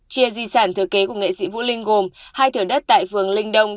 chia di sản thừa kế của nghệ sĩ vũ linh gồm hai thửa đất tại phường linh đông